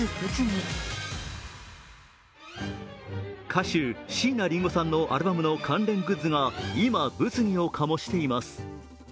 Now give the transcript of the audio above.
歌手・椎名林檎さんのアルバムの関連グッズが今、物議を醸しています。